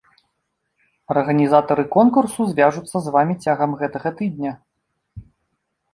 Арганізатары конкурсу звяжуцца з вамі цягам гэтага тыдня.